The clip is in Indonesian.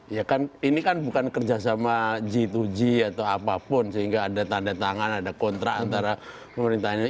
ya kan ini kan bukan kerjasama g dua g atau apapun sehingga ada tanda tangan ada kontrak antara pemerintah indonesia